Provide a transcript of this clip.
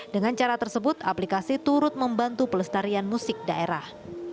dengan cara tersebut aplikasi turut membantu pelestarian musik daerah